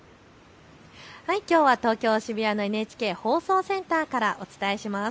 きょうは東京渋谷のＮＨＫ放送センターからお伝えします。